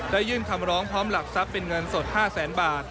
ยื่นคำร้องพร้อมหลักทรัพย์เป็นเงินสด๕แสนบาท